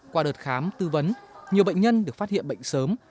qua đợt khám tư vấn nhiều bệnh nhân được phát hiện bệnh sớm